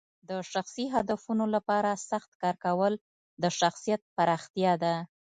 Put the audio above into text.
د شخصي هدفونو لپاره سخت کار کول د شخصیت پراختیا ده.